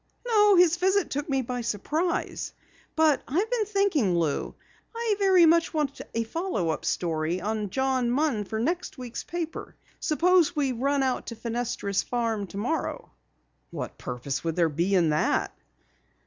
"No, his visit took me by surprise. But I've been thinking, Lou. I very much want a follow up story on John Munn for next week's paper. Suppose we run out to Fenestra's farm tomorrow." "What purpose would there be in that?"